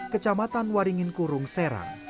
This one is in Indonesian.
kecamatan waringin kurung serang